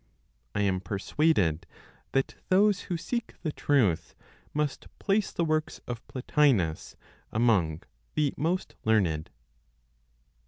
I am persuaded that those who seek the truth must place the works of Plotinos among the most learned."